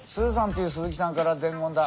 ていう鈴木さんから伝言だ。